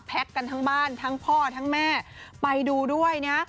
กันทั้งบ้านทั้งพ่อทั้งแม่ไปดูด้วยนะ